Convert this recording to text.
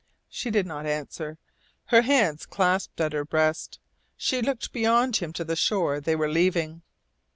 She did not answer. Her hands clasped at her breast. She looked beyond him to the shore they were leaving.